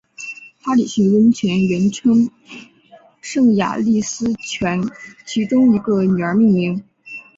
哈里逊温泉原称圣雅丽斯泉其中一个女儿命名。